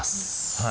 はい。